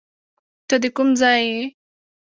ته ده کوم ځای یې